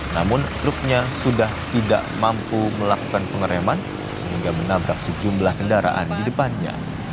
namun truknya sudah tidak mampu melakukan pengereman sehingga menabrak sejumlah kendaraan di depannya